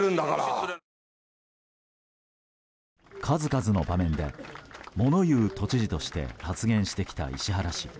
数々の場面で物言う都知事として発言してきた石原氏。